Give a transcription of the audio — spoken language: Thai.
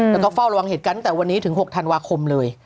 แล้วก็เฝ้าระวังเหตุการณ์ตั้งแต่วันนี้ถึง๖ธันวาคมเลย